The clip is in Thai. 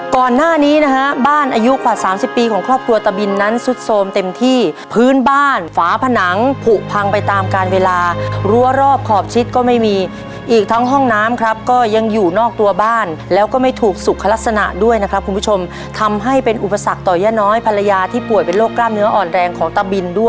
ก่อนหน้านี้นะฮะบ้านอายุกว่าสามสิบปีของครอบครัวตะบินนั้นซุดโทรมเต็มที่พื้นบ้านฝาผนังผูกพังไปตามการเวลารั้วรอบขอบชิดก็ไม่มีอีกทั้งห้องน้ำครับก็ยังอยู่นอกตัวบ้านแล้วก็ไม่ถูกสุขลักษณะด้วยนะครับคุณผู้ชมทำให้เป็นอุปสรรคต่อย่าน้อยภรรยาที่ป่วยเป็นโรคกล้ามเนื้ออ่อนแรงของตะบินด้วย